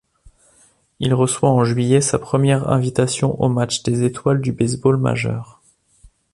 Il reçoit en juillet sa première invitation au match des étoiles du baseball majeur.